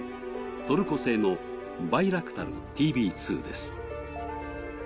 トルコ製のバイラクタルＴＢ２です。